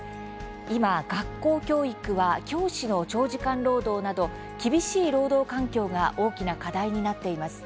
今、学校教育は教師の長時間労働など厳しい労働環境が大きな課題になっています。